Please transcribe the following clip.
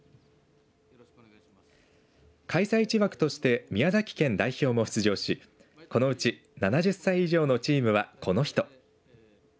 開催地枠として宮崎県代表も出場しこのうち７０歳以上のチームはこの人。